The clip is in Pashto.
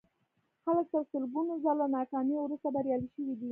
خلک تر سلګونه ځله ناکاميو وروسته بريالي شوي دي.